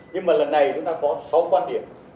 nhưng mà lần này chúng ta có sáu quan điểm